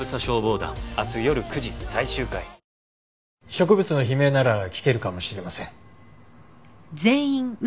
植物の悲鳴なら聞けるかもしれません。